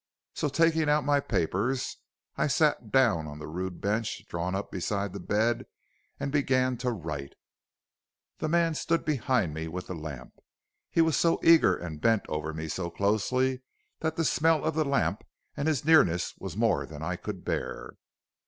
So taking out my papers, I sat down on the rude bench drawn up beside the bed and began to write. "The man stood behind me with the lamp. He was so eager and bent over me so closely that the smell of the lamp and his nearness were more than I could bear.